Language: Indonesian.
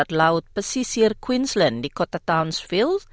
barat laut pesisir queensland di kota townsville